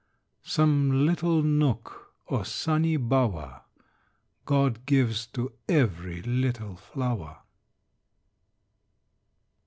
"Some little nook or sunny bower, God gives to every little flower."